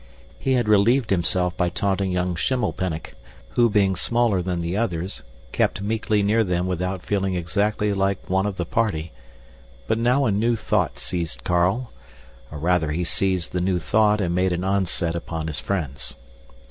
He had relieved himself by taunting young Schimmelpenninck, who, being smaller than the others, kept meekly near them without feeling exactly like one of the party, but now a new thought seized Carl, or rather he seized the new thought and made an onset upon his friends.